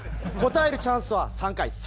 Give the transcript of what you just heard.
答えるチャンスは３回。